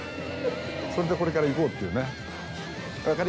それでこれからいこうっていうね。